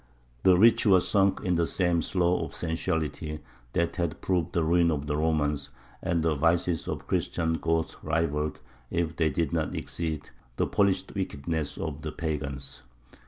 The rich were sunk in the same slough of sensuality that had proved the ruin of the Romans, and the vices of the Christian Goths rivalled, if they did not exceed, the polished wickedness of the pagans.